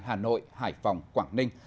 hà nội hải phòng quảng ninh